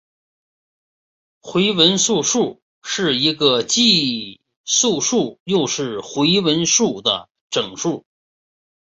回文素数是一个既是素数又是回文数的整数。